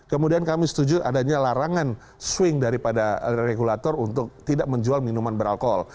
kemudian kami setuju adanya larangan swing daripada regulator untuk tidak menjual minuman beralkol